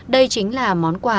đây chính là món quà